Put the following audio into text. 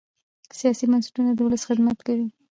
سیاسي بنسټونه د ولس خدمت کوي